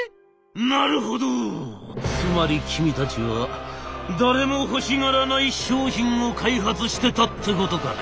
「なるほどつまり君たちは誰も欲しがらない商品を開発してたってことかね？